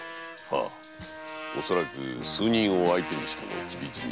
恐らく数人を相手の斬り死に。